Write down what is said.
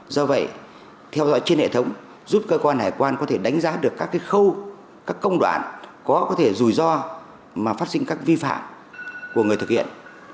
do vậy theo dõi trên hệ thống giúp cơ quan hải quan có thể đánh giá được các khâu các công đoạn có thể rủi ro mà phát sinh các vi phạm của người thực hiện